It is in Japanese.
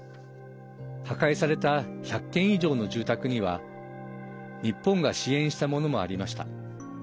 破壊された１００軒以上の住宅には日本が支援したものもありました。